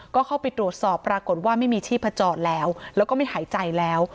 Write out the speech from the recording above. ก็เข้าไปตรวจสอบปรากฏว่าไม่มีชีพจรแล้วแล้วก็ไม่หายใจแล้ว